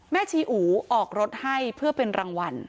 ชีอูออกรถให้เพื่อเป็นรางวัล